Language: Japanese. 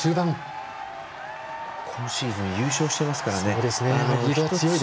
今シーズン優勝していますからね。